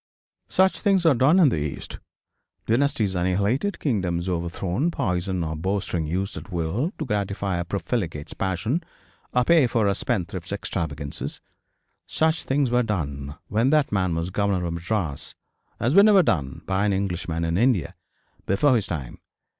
Such things are done in the East dynasties annihilated, kingdoms overthrown, poison or bowstring used at will, to gratify a profligate's passion, or pay for a spendthrift's extravagances. Such things were done when that man was Governor of Madras as were never done by an Englishman in India before his time.